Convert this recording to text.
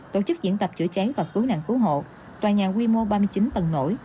tổ chức diễn tập chữa cháy và cứu nạn cứu hộ tòa nhà quy mô ba mươi chín tầng nổi